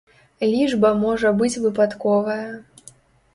Лічба можа быць выпадковая.